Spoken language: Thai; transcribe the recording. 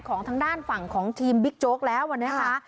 ของทางด้านฝั่งของทีมบิ๊กโจ๊กแล้วนะคะ